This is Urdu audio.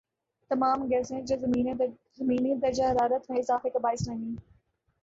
تمام گیسیں جو زمینی درجہ حرارت میں اضافے کا باعث بنیں